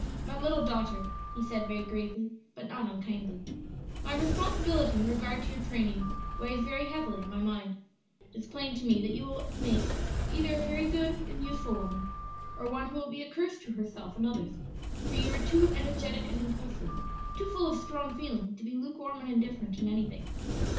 "My little daughter," he said very gravely, but not unkindly, "my responsibility in regard to your training weighs very heavily on my mind; it is plain to me that you will make either a very good and useful woman, or one who will be a curse to herself and others; for you are too energetic and impulsive, too full of strong feeling to be lukewarm and indifferent in anything.